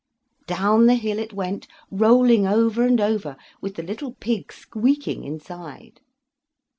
Down the hill it went, rolling over and over, with the little pig squeaking inside.